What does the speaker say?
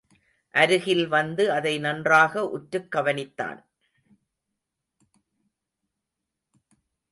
அருகில் வந்து அதை நன்றாக உற்றுக் கவனித்தான்.